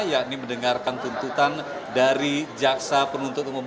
yakni mendengarkan tuntutan dari jaksa penuntut umum